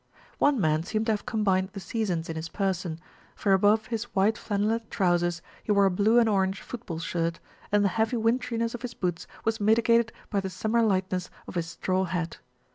One man seemed to have combined the seasons in his person, for above his white flannelette trousers he wore a blue and orange football shirt, and the heavy winteriness of his boots was mitigated by the summer lightness of his straw hat.